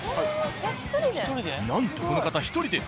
なんとこの方１人で。